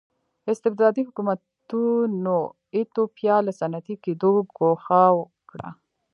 استبدادي حکومتونو ایتوپیا له صنعتي کېدو ګوښه کړه.